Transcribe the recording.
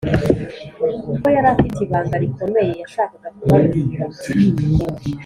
kuko yari afite ibanga rikomeye yashakaga kubabwira.